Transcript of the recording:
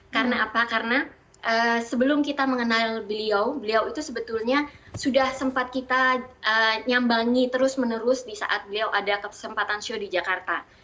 karena apa karena sebelum kita mengenal beliau beliau itu sebetulnya sudah sempat kita nyambangi terus menerus di saat beliau ada kesempatan show di jakarta